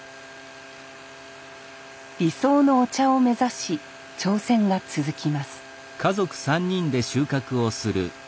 理想のお茶を目指し挑戦が続きます